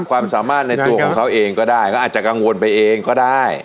ความสามารถในตัวของเขาเองก็ได้เขาอาจจะกังวลไปเองก็ได้